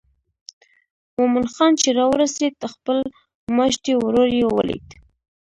مومن خان چې راورسېد خپل ماجتي ورور یې ولید.